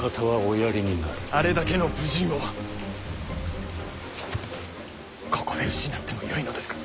あれだけの武人をここで失ってもよいのですか。